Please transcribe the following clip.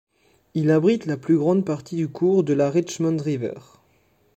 Il abrite la plus grande partie du cours de la Richmond River.